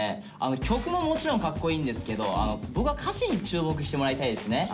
曲ももちろんかっこいいんですけど僕は歌詞に注目してもらいたいですね。